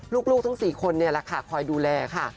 ลูกทั้ง๔คนนี่แหละค่ะคอยดูแลค่ะ